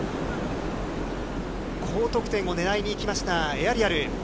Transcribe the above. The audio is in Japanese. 高得点をねらいにいきました、エアリアル。